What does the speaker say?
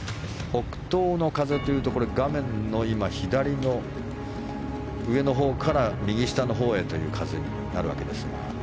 北東の風というと画面の左の上のほうから右下のほうへという風になるわけですが。